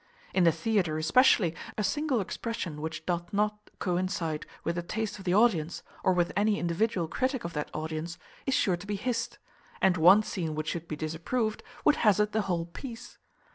In the theatre especially, a single expression which doth not coincide with the taste of the audience, or with any individual critic of that audience, is sure to be hissed; and one scene which should be disapproved would hazard the whole piece.